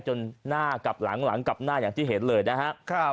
จนหน้ากลับหลังหลังกลับหน้าอย่างที่เห็นเลยนะฮะ